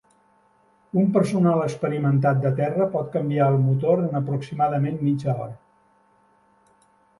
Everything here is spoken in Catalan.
Un personal experimentat de terra pot canviar el motor en aproximadament mitja hora.